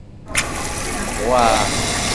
唔好啊！